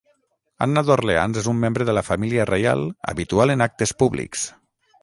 Anna d'Orleans és un membre de la Família Reial habitual en actes públics.